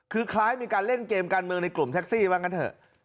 คือคล้ายมีการเล่นเกมการเมืองในกลุ่มแท็กซี่ว่างั้นเถอะ